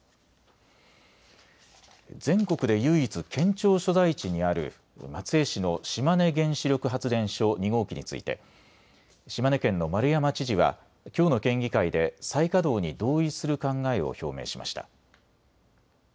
全国で唯一、県庁所在地にある松江市の島根原子力発電所２号機について島根県の丸山知事はきょうの県議会で再稼働に同意する考えを表明しました。